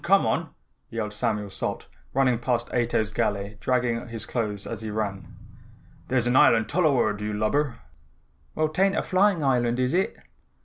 Come on!" yelled Samuel Salt running past Ato's galley dragging on his clothes as he ran. "There's an island tuluward, you lubber." "Well, 'tain't a flying island is it?"